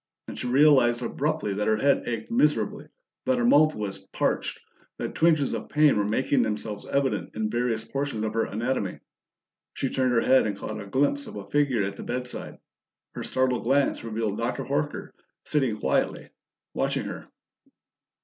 And she realized abruptly that her head ached miserably, that her mouth was parched, that twinges of pain were making themselves evident in various portions of her anatomy. She turned her head and caught a glimpse of a figure at the bed side; her startled glance revealed Dr. Horker, sitting quietly watching her.